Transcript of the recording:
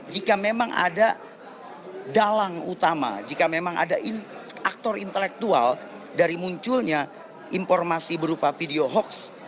jika memang ada dalang utama jika memang ada aktor intelektual dari munculnya informasi berupa video hoax